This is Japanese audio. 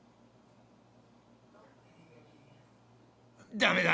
駄目だ。